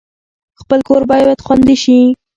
خپل کور باید خوندي شي